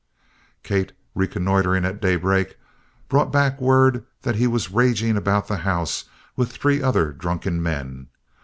Kate, reconnoitering at daybreak, brought back word that he was raging around the house with three other drunken men.